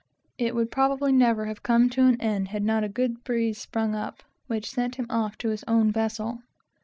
It would probably never have come to an end, had not a good breeze sprung up, which sent him off to his own vessel.